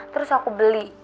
terus aku beli